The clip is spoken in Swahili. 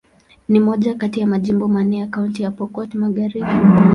Ni moja kati ya majimbo manne ya Kaunti ya Pokot Magharibi.